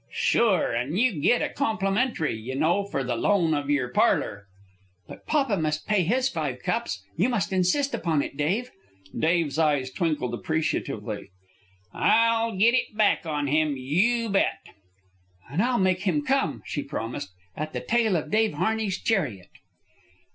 "Sure. An' you git a complimentary, you know, fer the loan of yer parlor." "But papa must pay his five cups. You must insist upon it, Dave." Dave's eyes twinkled appreciatively. "I'll git it back on him, you bet!" "And I'll make him come," she promised, "at the tail of Dave Harney's chariot."